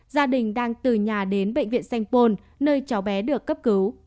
gia đình đang từ nhà đến bệnh viện sanh pôn nơi cháu bé được cấp cứu